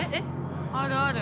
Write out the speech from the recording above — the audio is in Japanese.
あるある。